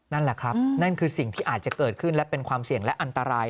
นั่นแหละครับนั่นคือสิ่งที่อาจจะเกิดขึ้นและเป็นความเสี่ยงและอันตราย